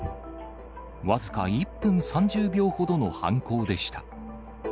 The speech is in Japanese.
僅か１分３０秒ほどの犯行でした。